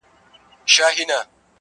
چي مي بایللی و، وه هغه کس ته ودرېدم .